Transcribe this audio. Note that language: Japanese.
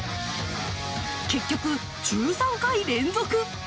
結局、１３回連続。